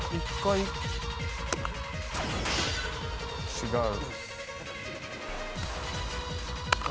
違う。